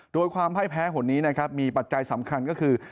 โดยความพ่ายแพ้คนนี้นะครับมีปัจจัยสำคัญก็คือ